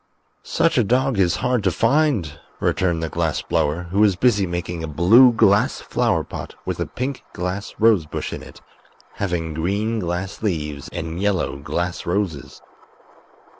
"Such a dog is hard to find," returned the glass blower, who was busy making a blue glass flower pot with a pink glass rosebush in it, having green glass leaves and yellow glass roses.